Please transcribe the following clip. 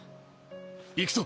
行くぞ！